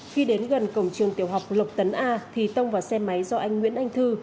khi đến gần cổng trường tiểu học lộc tấn a thì tông vào xe máy do anh nguyễn anh thư